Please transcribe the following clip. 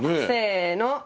せの！